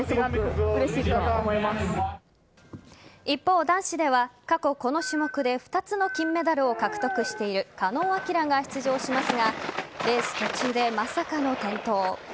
一方、男子では過去この種目で２つの金メダルを獲得している狩野亮が出場しますがレース途中でまさかの転倒。